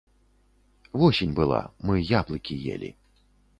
Восень была, мы яблыкі елі.